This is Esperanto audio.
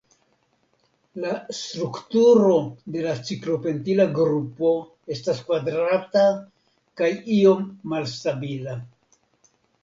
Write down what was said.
La strukturo de la ciklopentila grupo estas kvadrata kaj iom malstabila.